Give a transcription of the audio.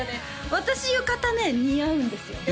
私浴衣ね似合うんですよ